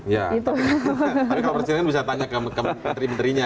ya tapi kalau presiden kan bisa tanya ke menteri menterinya